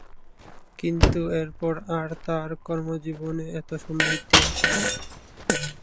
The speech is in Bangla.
কিন্তু এরপর আর তার কর্মজীবনে এতো সমৃদ্ধি আসে নি।